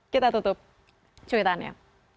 kita tutup ceritanya